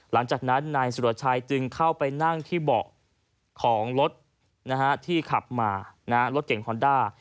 หลังจากนั้นนายสุรชัยจึงเข้าไปนั่งที่เบาะของรถที่ขับมารถเก่งฮอนด้า